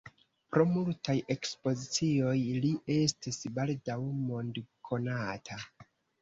Pro multaj ekspozicioj li estis baldaŭ mondkonata.